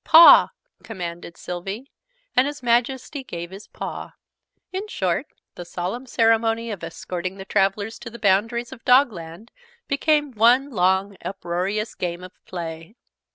"Paw!" commanded Sylvie; and His Majesty gave his paw. In short, the solemn ceremony of escorting the travelers to the boundaries of Dogland became one long uproarious game of play!